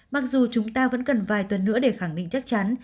mặc dù chúng ta vẫn cần vài tuần nữa để khẳng định chắc chắn